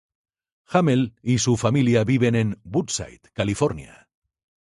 Hamel y su familia viven en Woodside, California.